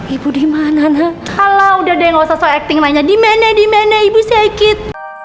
ibu dimana nah kalau udah deh nggak usah so acting lainnya dimana dimana ibu sakit